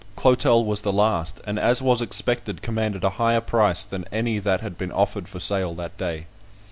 Clotel was the last, and, as was expected, commanded a higher price than any that had been offered for sale that day.